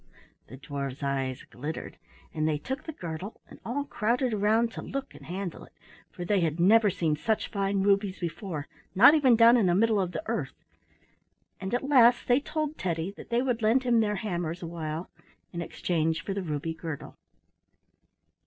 The dwarfs' eyes glittered, and they took the girdle and all crowded around to look and handle it, for they had never seen such fine rubies before, not even down in the middle of the earth; and at last they told Teddy that they would lend him their hammers awhile in exchange for the ruby girdle.